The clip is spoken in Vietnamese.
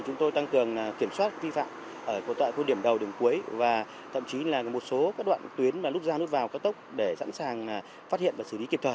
chúng tôi tăng cường kiểm soát vi phạm ở khu điểm đầu điểm cuối và thậm chí là một số các đoạn tuyến mà lúc ra nút vào cao tốc để sẵn sàng phát hiện và xử lý kịp thời